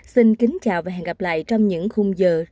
xin kính chào và hẹn gặp lại trong những khung giờ của các bản tin sau